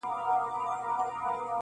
په غومبرو په پرواز به وي منلي -